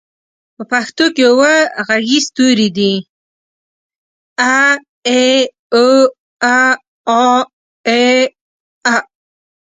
په پښتو کې اووه غږيز توري دي: اَ، اِ، اُ، اٗ، اٰ، اٖ، أ.